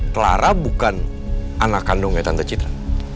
clara bukan anak kandungnya tante citra